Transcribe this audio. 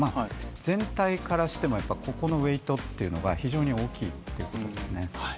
全体からしてもここのウエートが非常に大きいということですね。